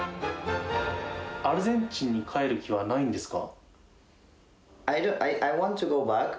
アルゼンチンに帰る気はないんですか？